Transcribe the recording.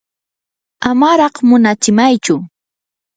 amaraq munatsimaychu.